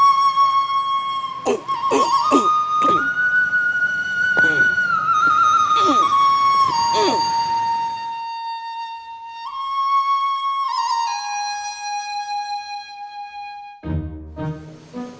gak ada yang bisa diangkat